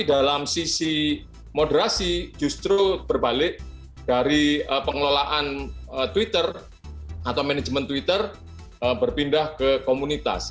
dalam sisi moderasi justru berbalik dari pengelolaan twitter atau manajemen twitter berpindah ke komunitas